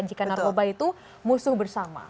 jika narkoba itu musuh bersama